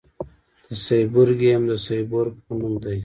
د سیبورګیم د سیبورګ په نوم دی.